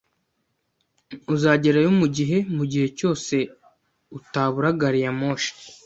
Uzagerayo mugihe, mugihe cyose utabura gari ya moshi